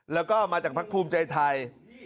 แล้วก็มาจากภักดิ์ภูมิใจไทย